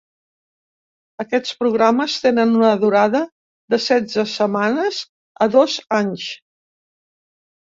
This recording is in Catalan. Aquests programes tenen una durada de setze setmanes a dos anys.